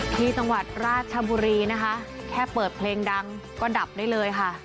ที่จังหวัดราชบุรีนะคะแค่เปิดเพลงดังก็ดับได้เลยค่ะ